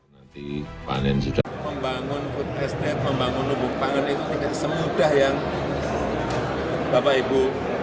membangun food estate membangun lumbuk pangan itu tidak semudah yang bapak ibu